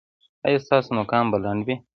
ایا ستاسو نوکان به لنډ وي؟